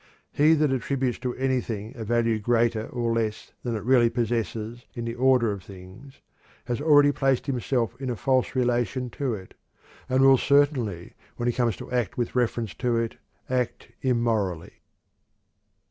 He that attributes to anything a value greater or less than it really possesses, in the order of things, has already placed himself in a false relation to it, and will certainly, when he comes to act with reference to it, act immorally."